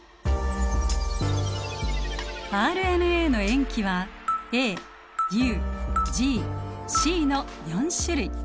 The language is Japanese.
ＲＮＡの塩基はＡＵＧＣの４種類。